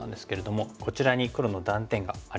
こちらに黒の断点がありますよね。